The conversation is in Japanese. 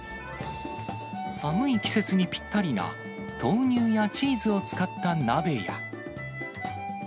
寒い季節にぴったりな、豆乳やチーズを使った鍋や。